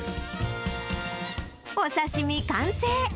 お刺身完成。